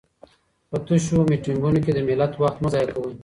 په تشو میټینګونو کي د ملت وخت مه ضایع کوئ.